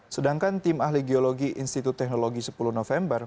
sedangkan tim ahli geologi institut teknologi sepuluh november